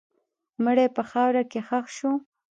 مړی په خاوره کې ښخ شو.